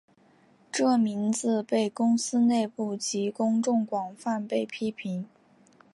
这名字被公司内部及公众广泛被批评。